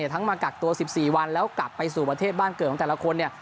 ทั้งมากักตัว๑๔วันแล้วกลับไปสู่ประเทศบ้านเกิดของแต่ละคนเนี่ย